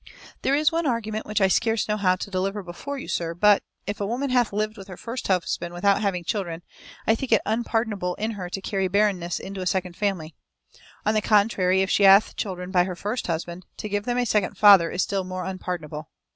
There is one argument which I scarce know how to deliver before you, sir; but if a woman hath lived with her first husband without having children, I think it unpardonable in her to carry barrenness into a second family. On the contrary, if she hath children by her first husband, to give them a second father is still more unpardonable."